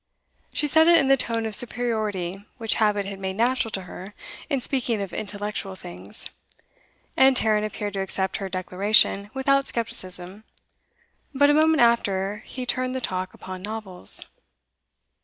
She said it in the tone of superiority which habit had made natural to her in speaking of intellectual things. And Tarrant appeared to accept her declaration without scepticism; but, a moment after, he turned the talk upon novels.